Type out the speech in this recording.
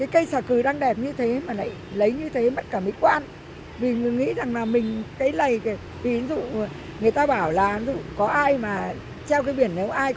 cây xà cừ đang đẹp như thế mà lại lấy như thế mất cả mấy quan